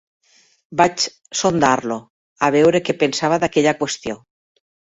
Vaig sondar-lo, a veure què pensava d'aquella qüestió.